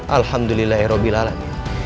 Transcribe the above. alhamdulillah ya robbil alaminya